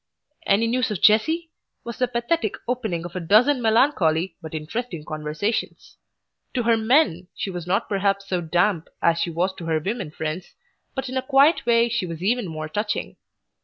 "Any news of Jessie?" was the pathetic opening of a dozen melancholy but interesting conversations. To her Men she was not perhaps so damp as she was to her women friends, but in a quiet way she was even more touching.